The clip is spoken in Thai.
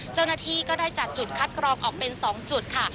เจ้าหน้าที่ก็ได้จัดจุดคัดกรองออกเป็น๒จุดค่ะ